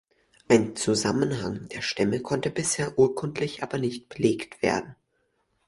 Ein Zusammenhang der Stämme konnte bisher urkundlich aber nicht belegt werden.